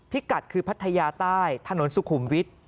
กัดคือพัทยาใต้ถนนสุขุมวิทย์